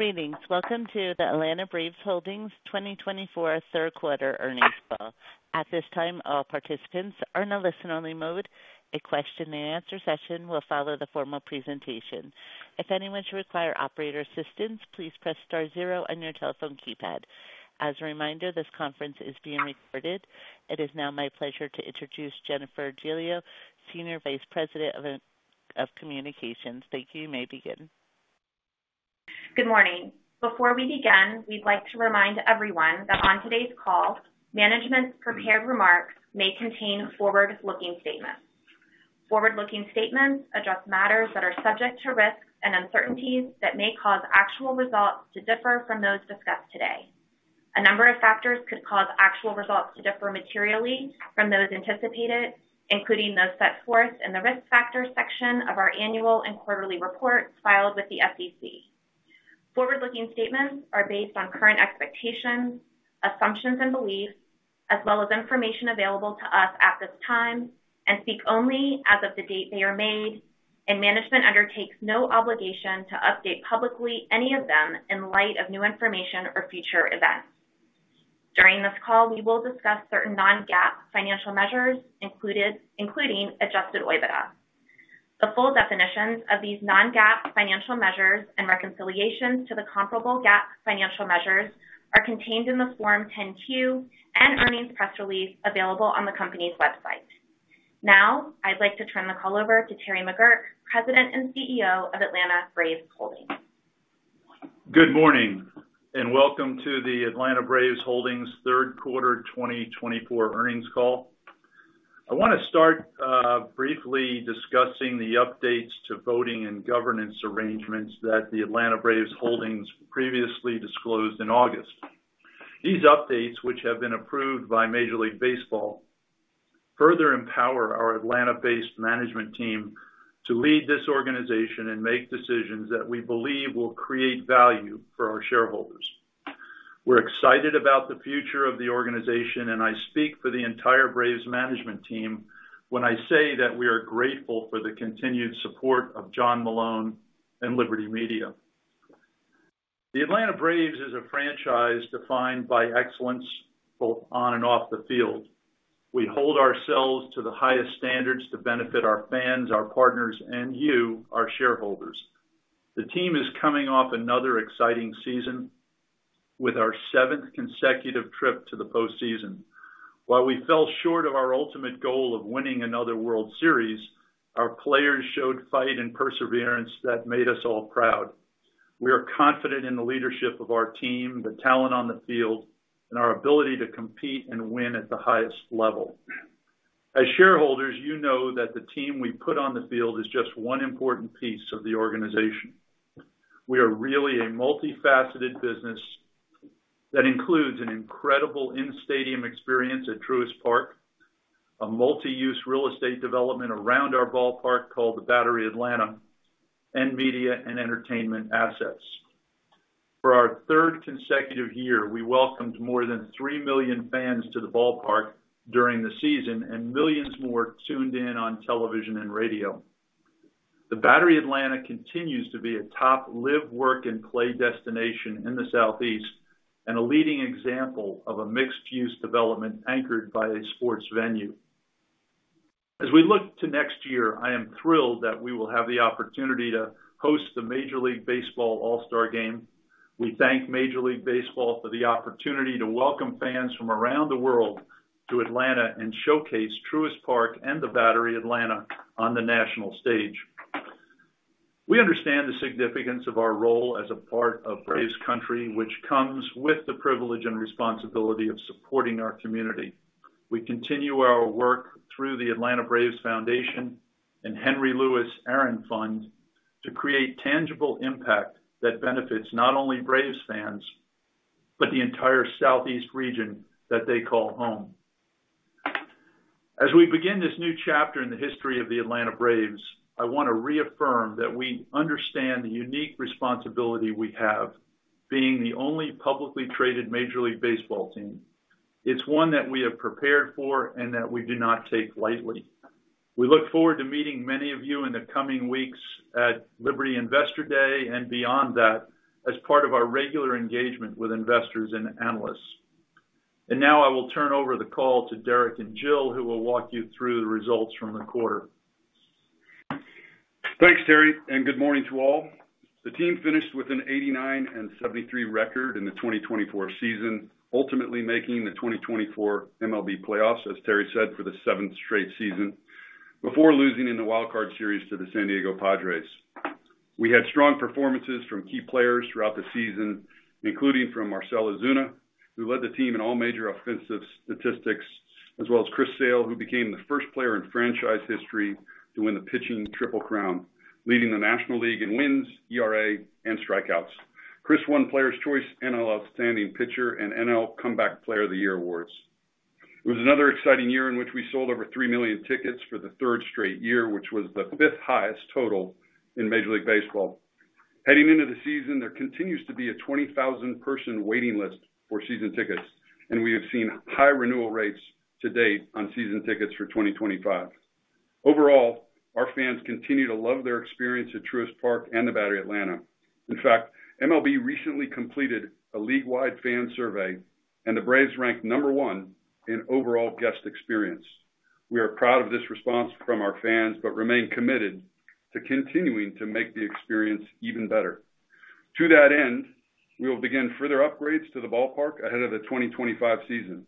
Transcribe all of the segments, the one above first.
Greetings. Welcome to the Atlanta Braves Holdings 2024 third quarter earnings call. At this time, all participants are in a listen-only mode. A question-and-answer session will follow the formal presentation. If anyone should require operator assistance, please press star zero on your telephone keypad. As a reminder, this conference is being recorded. It is now my pleasure to introduce Jennifer Giglio, Senior Vice President of Communications. Thank you. You may begin. Good morning. Before we begin, we'd like to remind everyone that on today's call, management's prepared remarks may contain forward-looking statements. Forward-looking statements address matters that are subject to risks and uncertainties that may cause actual results to differ from those discussed today. A number of factors could cause actual results to differ materially from those anticipated, including those set forth in the risk factor section of our annual and quarterly reports filed with the SEC. Forward-looking statements are based on current expectations, assumptions, and beliefs, as well as information available to us at this time, and speak only as of the date they are made, and management undertakes no obligation to update publicly any of them in light of new information or future events. During this call, we will discuss certain non-GAAP financial measures, including adjusted EBITDA. The full definitions of these non-GAAP financial measures and reconciliations to the comparable GAAP financial measures are contained in the Form 10-Q and earnings press release available on the company's website. Now, I'd like to turn the call over to Terry McGuirk, President and CEO of Atlanta Braves Holdings. Good morning and welcome to the Atlanta Braves Holdings third quarter 2024 earnings call. I want to start briefly discussing the updates to voting and governance arrangements that the Atlanta Braves Holdings previously disclosed in August. These updates, which have been approved by Major League Baseball, further empower our Atlanta-based management team to lead this organization and make decisions that we believe will create value for our shareholders. We're excited about the future of the organization, and I speak for the entire Braves management team when I say that we are grateful for the continued support of John Malone and Liberty Media. The Atlanta Braves is a franchise defined by excellence both on and off the field. We hold ourselves to the highest standards to benefit our fans, our partners, and you, our shareholders. The team is coming off another exciting season with our seventh consecutive trip to the postseason. While we fell short of our ultimate goal of winning another World Series, our players showed fight and perseverance that made us all proud. We are confident in the leadership of our team, the talent on the field, and our ability to compete and win at the highest level. As shareholders, you know that the team we put on the field is just one important piece of the organization. We are really a multifaceted business that includes an incredible in-stadium experience at Truist Park, a multi-use real estate development around our ballpark called The Battery Atlanta, and media and entertainment assets. For our third consecutive year, we welcomed more than 3 million fans to the ballpark during the season and millions more tuned in on television and radio. The Battery Atlanta continues to be a top live, work, and play destination in the Southeast and a leading example of a mixed-use development anchored by a sports venue. As we look to next year, I am thrilled that we will have the opportunity to host the Major League Baseball All-Star Game. We thank Major League Baseball for the opportunity to welcome fans from around the world to Atlanta and showcase Truist Park and the Battery Atlanta on the national stage. We understand the significance of our role as a part of Braves Country, which comes with the privilege and responsibility of supporting our community. We continue our work through the Atlanta Braves Foundation and Henry Louis Aaron Fund to create tangible impact that benefits not only Braves fans but the entire Southeast region that they call home. As we begin this new chapter in the history of the Atlanta Braves, I want to reaffirm that we understand the unique responsibility we have being the only publicly traded Major League Baseball team. It's one that we have prepared for and that we do not take lightly. We look forward to meeting many of you in the coming weeks at Liberty Investor Day and beyond that as part of our regular engagement with investors and analysts. And now I will turn over the call to Derek and Jill, who will walk you through the results from the quarter. Thanks, Terry, and good morning to all. The team finished with an 89 and 73 record in the 2024 season, ultimately making the 2024 MLB Playoffs, as Terry said, for the seventh straight season before losing in the Wild Card Series to the San Diego Padres. We had strong performances from key players throughout the season, including from Marcell Ozuna, who led the team in all major offensive statistics, as well as Chris Sale, who became the first player in franchise history to win the pitching triple crown, leading the National League in wins, ERA, and strikeouts. Chris won Players Choice, NL Outstanding Pitcher and NL Comeback Player of the Year awards. It was another exciting year in which we sold over three million tickets for the third straight year, which was the fifth highest total in Major League Baseball. Heading into the season, there continues to be a 20,000-person waiting list for season tickets, and we have seen high renewal rates to date on season tickets for 2025. Overall, our fans continue to love their experience at Truist Park and The Battery Atlanta. In fact, MLB recently completed a league-wide fan survey, and the Braves ranked number one in overall guest experience. We are proud of this response from our fans but remain committed to continuing to make the experience even better. To that end, we will begin further upgrades to the ballpark ahead of the 2025 season.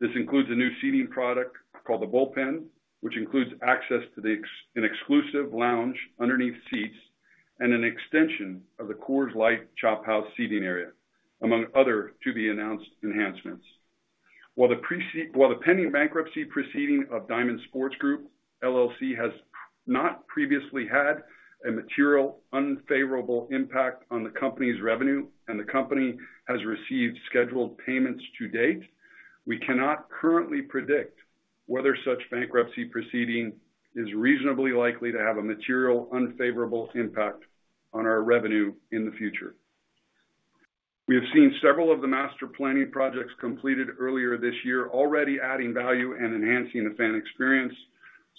This includes a new seating product called The Bullpen, which includes access to an exclusive lounge underneath seats and an extension of the Coors Light Chop House seating area, among other to be announced enhancements. While the pending bankruptcy proceeding of Diamond Sports Group LLC has not previously had a material unfavorable impact on the company's revenue and the company has received scheduled payments to date, we cannot currently predict whether such bankruptcy proceeding is reasonably likely to have a material unfavorable impact on our revenue in the future. We have seen several of the master planning projects completed earlier this year already adding value and enhancing the fan experience,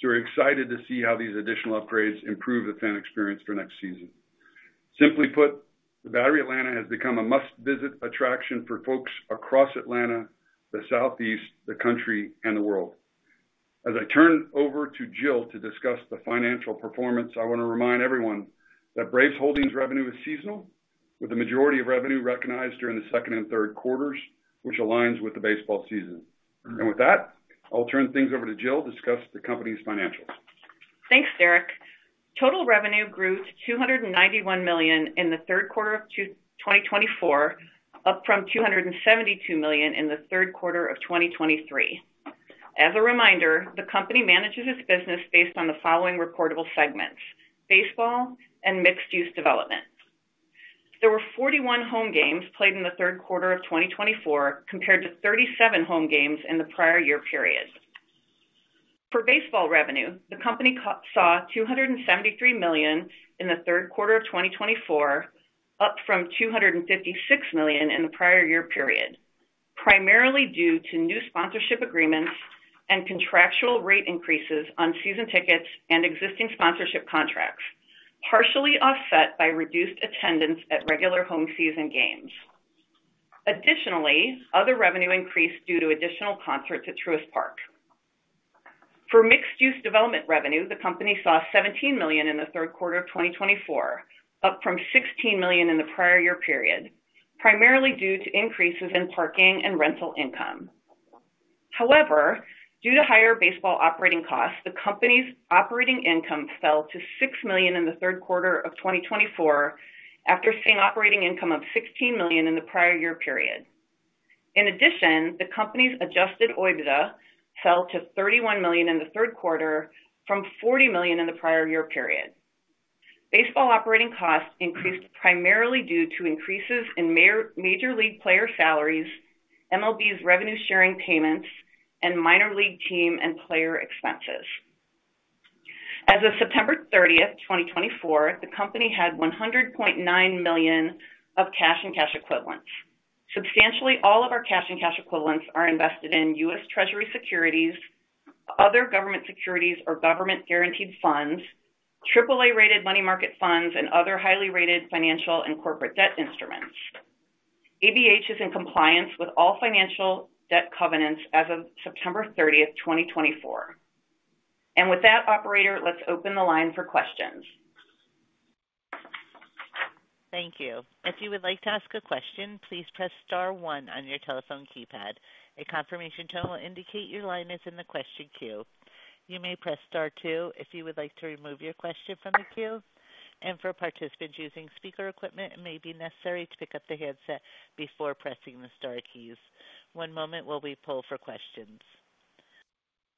so we're excited to see how these additional upgrades improve the fan experience for next season. Simply put, The Battery Atlanta has become a must-visit attraction for folks across Atlanta, the Southeast, the country, and the world. As I turn over to Jill to discuss the financial performance, I want to remind everyone that Braves Holdings' revenue is seasonal, with the majority of revenue recognized during the second and third quarters, which aligns with the baseball season, and with that, I'll turn things over to Jill to discuss the company's financials. Thanks, Derek. Total revenue grew to $291 million in the third quarter of 2024, up from $272 million in the third quarter of 2023. As a reminder, the company manages its business based on the following reportable segments: baseball and mixed-use development. There were 41 home games played in the third quarter of 2024 compared to 37 home games in the prior year period. For baseball revenue, the company saw $273 million in the third quarter of 2024, up from $256 million in the prior year period, primarily due to new sponsorship agreements and contractual rate increases on season tickets and existing sponsorship contracts, partially offset by reduced attendance at regular home season games. Additionally, other revenue increased due to additional concerts at Truist Park. For mixed-use development revenue, the company saw $17 million in the third quarter of 2024, up from $16 million in the prior year period, primarily due to increases in parking and rental income. However, due to higher baseball operating costs, the company's operating income fell to $6 million in the third quarter of 2024 after seeing operating income of $16 million in the prior year period. In addition, the company's adjusted EBITDA fell to $31 million in the third quarter from $40 million in the prior year period. Baseball operating costs increased primarily due to increases in Major League player salaries, MLB's revenue-sharing payments, and minor league team and player expenses. As of September 30, 2024, the company had $100.9 million of cash and cash equivalents. Substantially all of our cash and cash equivalents are invested in U.S. Treasury securities, other government securities, or government-guaranteed funds, AAA-rated money market funds, and other highly rated financial and corporate debt instruments. ABH is in compliance with all financial debt covenants as of September 30, 2024. And with that, operator, let's open the line for questions. Thank you. If you would like to ask a question, please press star one on your telephone keypad. A confirmation tone will indicate your line is in the question queue. You may press star two if you would like to remove your question from the queue. And for participants using speaker equipment, it may be necessary to pick up the headset before pressing the star keys. One moment while we pull for questions.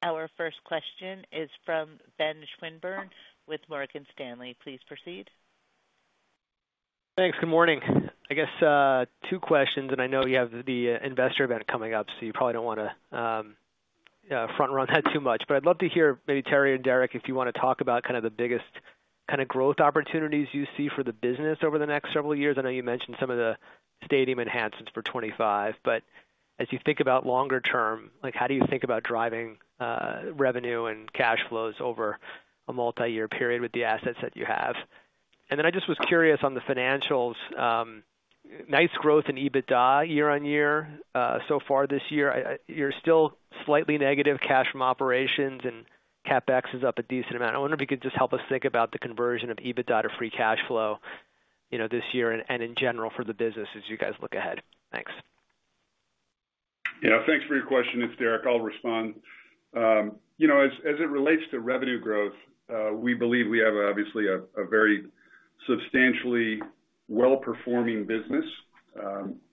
Our first question is from Ben Swinburne with Morgan Stanley. Please proceed. Thanks. Good morning. I guess two questions, and I know you have the investor event coming up, so you probably don't want to front-run that too much. But I'd love to hear maybe Terry and Derek, if you want to talk about kind of the biggest kind of growth opportunities you see for the business over the next several years. I know you mentioned some of the stadium enhancements for '25, but as you think about longer term, how do you think about driving revenue and cash flows over a multi-year period with the assets that you have? And then I just was curious on the financials. Nice growth in EBITDA year on year so far this year. You're still slightly negative cash from operations, and CapEx is up a decent amount. I wonder if you could just help us think about the conversion of EBITDA to free cash flow this year and in general for the business as you guys look ahead. Thanks. Yeah, thanks for your question. It's Derek. I'll respond. As it relates to revenue growth, we believe we have obviously a very substantially well-performing business.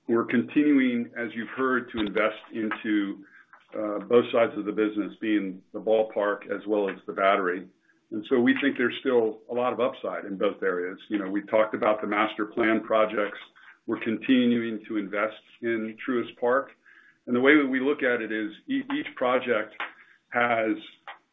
We're continuing, as you've heard, to invest into both sides of the business, being the ballpark as well as the battery. And so we think there's still a lot of upside in both areas. We talked about the master plan projects. We're continuing to invest in Truist Park. And the way that we look at it is each project has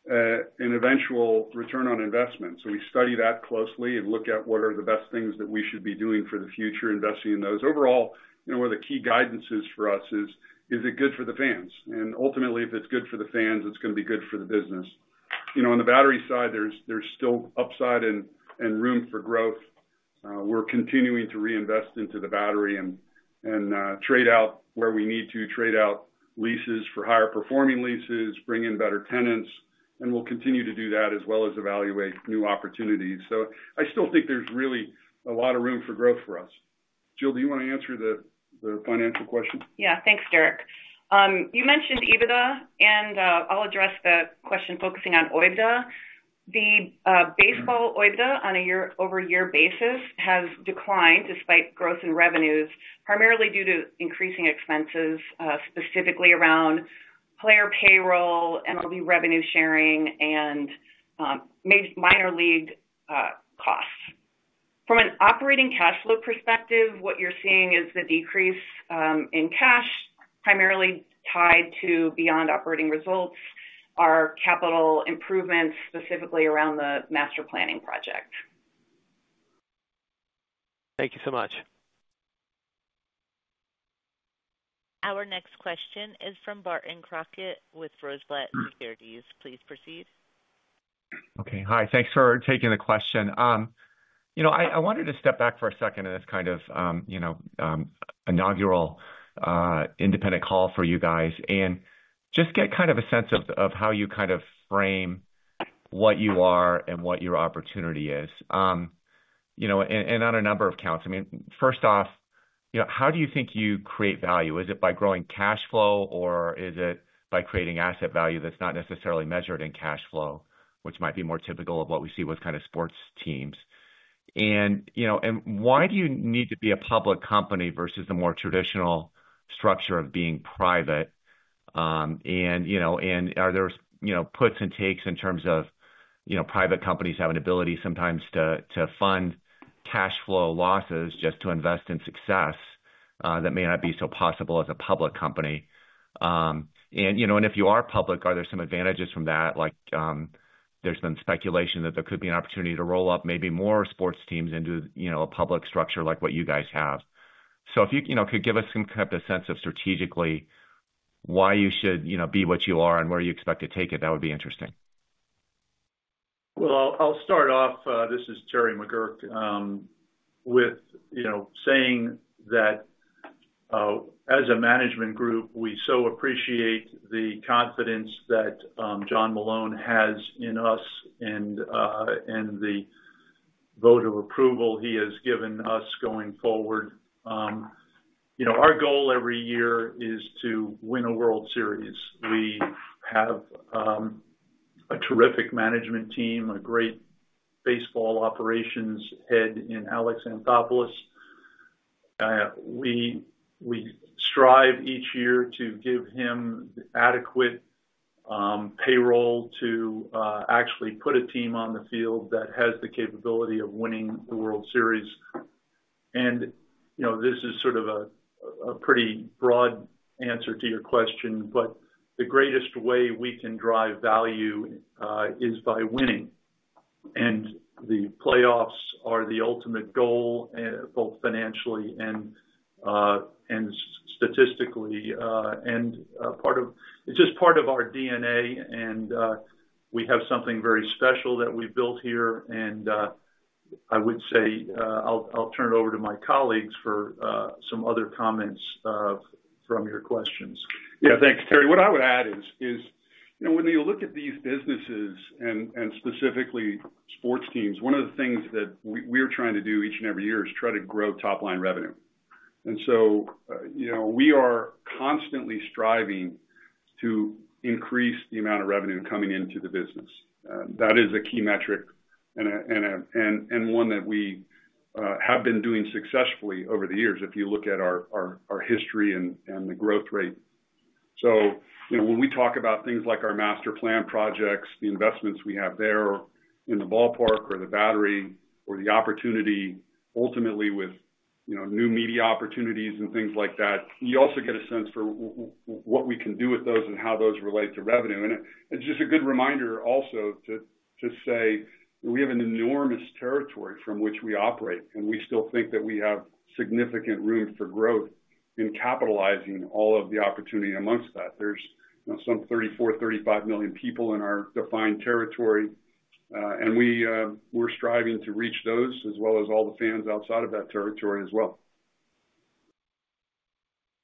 an eventual return on investment. So we study that closely and look at what are the best things that we should be doing for the future, investing in those. Overall, one of the key guidances for us is, is it good for the fans? And ultimately, if it's good for the fans, it's going to be good for the business. On the battery side, there's still upside and room for growth. We're continuing to reinvest into the battery and trade out where we need to trade out leases for higher-performing leases, bring in better tenants, and we'll continue to do that as well as evaluate new opportunities. So I still think there's really a lot of room for growth for us. Jill, do you want to answer the financial question? Yeah, thanks, Derek. You mentioned EBITDA, and I'll address the question focusing on OIBDA. The baseball OIBDA on a year-over-year basis has declined despite growth in revenues, primarily due to increasing expenses, specifically around player payroll, MLB revenue sharing, and minor league costs. From an operating cash flow perspective, what you're seeing is the decrease in cash, primarily tied to beyond operating results, our capital improvements, specifically around the master planning project. Thank you so much. Our next question is from Barton Crockett with Rosenblatt Securities. Please proceed. Okay. Hi. Thanks for taking the question. I wanted to step back for a second in this kind of inaugural independent call for you guys and just get kind of a sense of how you kind of frame what you are and what your opportunity is. And on a number of counts, I mean, first off, how do you think you create value? Is it by growing cash flow, or is it by creating asset value that's not necessarily measured in cash flow, which might be more typical of what we see with kind of sports teams? And why do you need to be a public company versus the more traditional structure of being private? And are there puts and takes in terms of private companies having ability sometimes to fund cash flow losses just to invest in success that may not be so possible as a public company? And if you are public, are there some advantages from that? There's been speculation that there could be an opportunity to roll up maybe more sports teams into a public structure like what you guys have. So if you could give us some kind of a sense of strategically why you should be what you are and where you expect to take it, that would be interesting. I'll start off, this is Terry McGuirk, with saying that as a management group, we so appreciate the confidence that John Malone has in us and the vote of approval he has given us going forward. Our goal every year is to win a World Series. We have a terrific management team, a great baseball operations head in Alex Anthopoulos. We strive each year to give him adequate payroll to actually put a team on the field that has the capability of winning the World Series, and this is sort of a pretty broad answer to your question, but the greatest way we can drive value is by winning, and the playoffs are the ultimate goal, both financially and statistically, and it's just part of our DNA, and we have something very special that we've built here. And I would say I'll turn it over to my colleagues for some other comments from your questions. Yeah, thanks, Terry. What I would add is when you look at these businesses and specifically sports teams, one of the things that we're trying to do each and every year is try to grow top-line revenue. And so we are constantly striving to increase the amount of revenue coming into the business. That is a key metric and one that we have been doing successfully over the years if you look at our history and the growth rate. So when we talk about things like our master plan projects, the investments we have there in the ballpark or the battery or the opportunity, ultimately with new media opportunities and things like that, you also get a sense for what we can do with those and how those relate to revenue. It's just a good reminder also to say we have an enormous territory from which we operate, and we still think that we have significant room for growth in capitalizing all of the opportunity among that. There's some 34-35 million people in our defined territory, and we're striving to reach those as well as all the fans outside of that territory as well.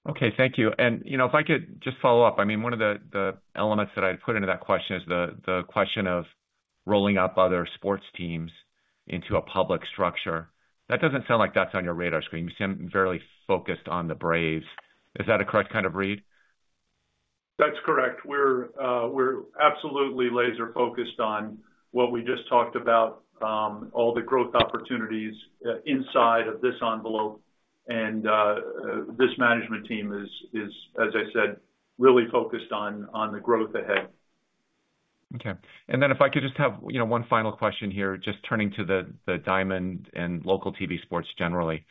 Okay. Thank you. And if I could just follow up, I mean, one of the elements that I'd put into that question is the question of rolling up other sports teams into a public structure. That doesn't sound like that's on your radar screen. You seem very focused on the Braves. Is that a correct kind of read? That's correct. We're absolutely laser-focused on what we just talked about, all the growth opportunities inside of this envelope. And this management team is, as I said, really focused on the growth ahead. Okay. And then if I could just have one final question here, just turning to the Diamond and local TV sports generally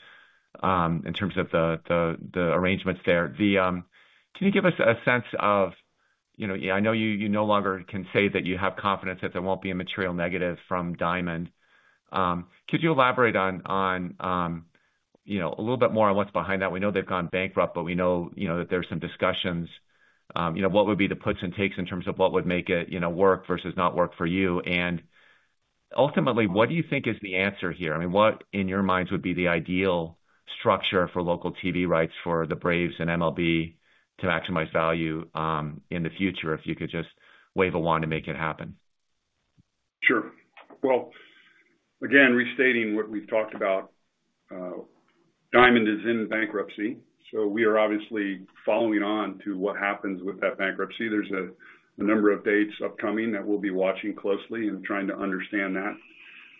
in terms of the arrangements there. Can you give us a sense of, yeah, I know you no longer can say that you have confidence that there won't be a material negative from Diamond. Could you elaborate on a little bit more on what's behind that? We know they've gone bankrupt, but we know that there's some discussions. What would be the puts and takes in terms of what would make it work versus not work for you? And ultimately, what do you think is the answer here? I mean, what in your minds would be the ideal structure for local TV rights for the Braves and MLB to maximize value in the future if you could just wave a wand and make it happen? Sure. Well, again, restating what we've talked about, Diamond is in bankruptcy. So we are obviously following on to what happens with that bankruptcy. There's a number of dates upcoming that we'll be watching closely and trying to understand that.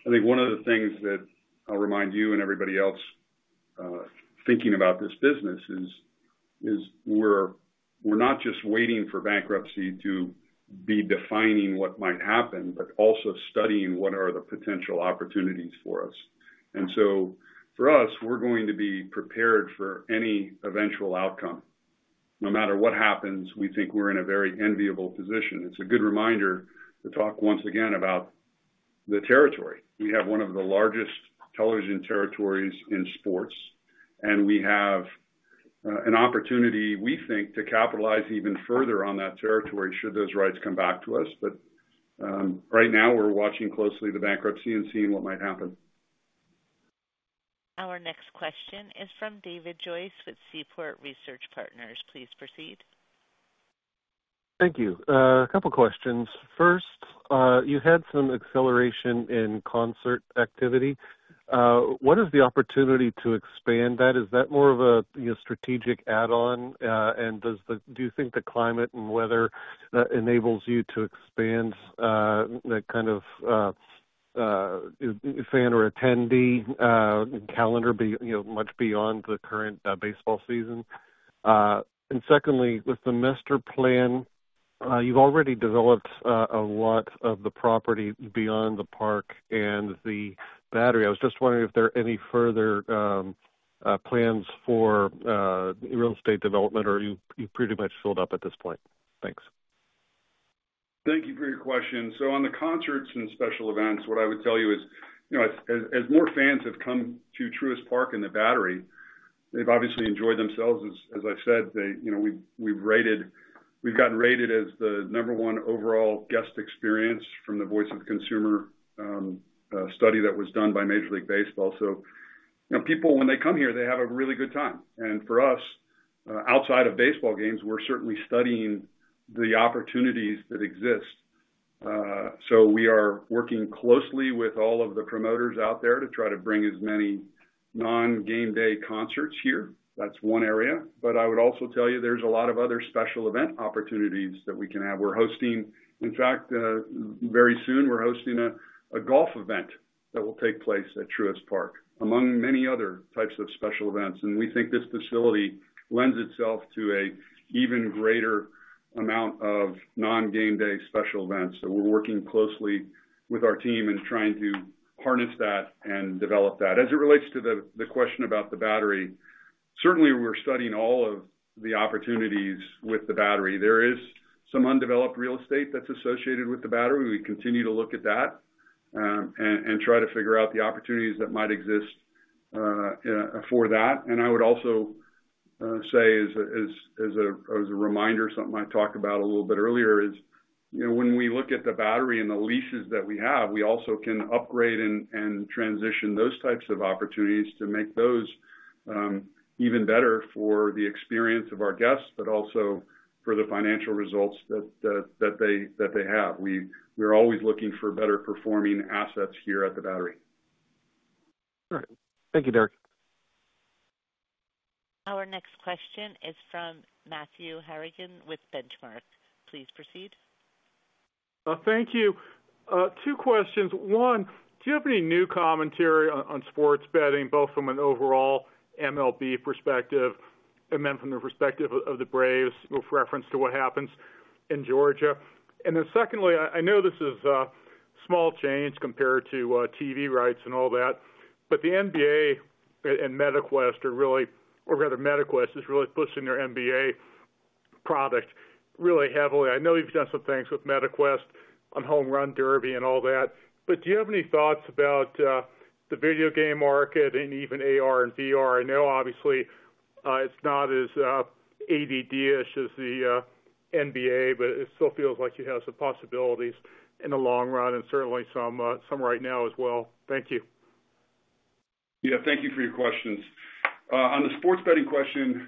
I think one of the things that I'll remind you and everybody else thinking about this business is we're not just waiting for bankruptcy to be defining what might happen, but also studying what are the potential opportunities for us, and so for us, we're going to be prepared for any eventual outcome. No matter what happens, we think we're in a very enviable position. It's a good reminder to talk once again about the territory. We have one of the largest television territories in sports, and we have an opportunity, we think, to capitalize even further on that territory should those rights come back to us. But right now, we're watching closely the bankruptcy and seeing what might happen. Our next question is from David Joyce with Seaport Research Partners. Please proceed. Thank you. A couple of questions. First, you had some acceleration in concert activity. What is the opportunity to expand that? Is that more of a strategic add-on? And do you think the climate and weather enables you to expand that kind of fan or attendee calendar much beyond the current baseball season? And secondly, with the master plan, you've already developed a lot of the property beyond the park and the battery. I was just wondering if there are any further plans for real estate development, or you've pretty much filled up at this point. Thanks. Thank you for your question. So on the concerts and special events, what I would tell you is as more fans have come to Truist Park and the Battery, they've obviously enjoyed themselves. As I said, we've gotten rated as the number one overall guest experience from the Voice of the Consumer study that was done by Major League Baseball. So people, when they come here, they have a really good time. And for us, outside of baseball games, we're certainly studying the opportunities that exist. So we are working closely with all of the promoters out there to try to bring as many non-game day concerts here. That's one area. But I would also tell you there's a lot of other special event opportunities that we can have. In fact, very soon, we're hosting a golf event that will take place at Truist Park, among many other types of special events. And we think this facility lends itself to an even greater amount of non-game day special events. So we're working closely with our team and trying to harness that and develop that. As it relates to the question about The Battery, certainly we're studying all of the opportunities with The Battery. There is some undeveloped real estate that's associated with The Battery. We continue to look at that and try to figure out the opportunities that might exist for that. And I would also say, as a reminder, something I talked about a little bit earlier is when we look at The Battery and the leases that we have, we also can upgrade and transition those types of opportunities to make those even better for the experience of our guests, but also for the financial results that they have. We're always looking for better-performing assets here at The Battery. All right. Thank you, Derek. Our next question is from Matthew Harrigan with Benchmark. Please proceed. Thank you. Two questions. One, do you have any new commentary on sports betting, both from an overall MLB perspective and then from the perspective of the Braves with reference to what happens in Georgia? And then secondly, I know this is a small change compared to TV rights and all that, but the NBA and Meta Quest are really, or rather, Meta Quest is really pushing their NBA product really heavily. I know you've done some things with Meta Quest on Home Run Derby and all that. But do you have any thoughts about the video game market and even AR and VR? I know, obviously, it's not as ADD-ish as the NBA, but it still feels like you have some possibilities in the long run and certainly some right now as well. Thank you. Yeah. Thank you for your questions. On the sports betting question,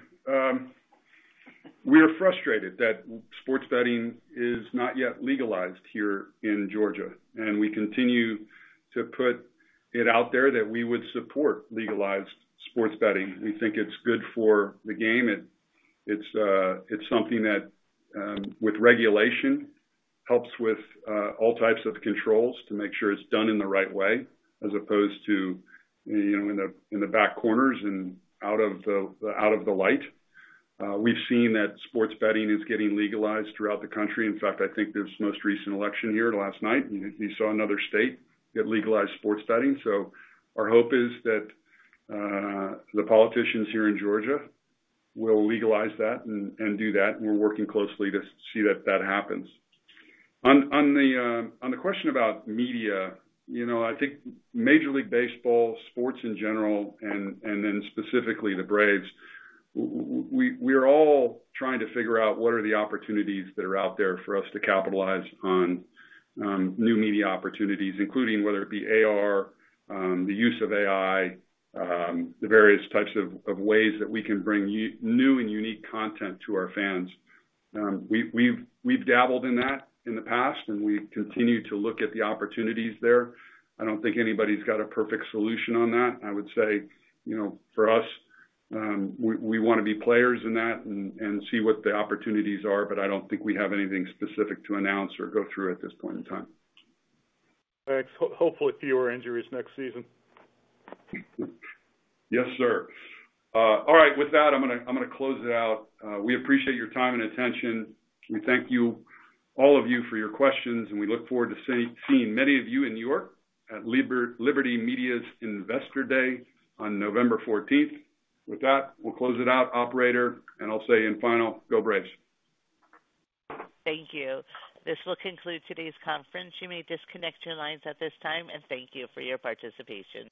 we are frustrated that sports betting is not yet legalized here in Georgia. And we continue to put it out there that we would support legalized sports betting. We think it's good for the game. It's something that, with regulation, helps with all types of controls to make sure it's done in the right way as opposed to in the back corners and out of the light. We've seen that sports betting is getting legalized throughout the country. In fact, I think this most recent election here last night, you saw another state get legalized sports betting. So our hope is that the politicians here in Georgia will legalize that and do that. And we're working closely to see that that happens. On the question about media, I think Major League Baseball, sports in general, and then specifically the Braves, we are all trying to figure out what are the opportunities that are out there for us to capitalize on new media opportunities, including whether it be AR, the use of AI, the various types of ways that we can bring new and unique content to our fans. We've dabbled in that in the past, and we continue to look at the opportunities there. I don't think anybody's got a perfect solution on that. I would say for us, we want to be players in that and see what the opportunities are, but I don't think we have anything specific to announce or go through at this point in time. Thanks. Hopefully, fewer injuries next season. Yes, sir. All right. With that, I'm going to close it out. We appreciate your time and attention. We thank all of you for your questions, and we look forward to seeing many of you in New York at Liberty Media's Investor Day on November 14th. With that, we'll close it out, operator, and I'll say in final, go Braves. Thank you. This will conclude today's conference. You may disconnect your lines at this time and thank you for your participation.